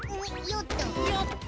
よっと。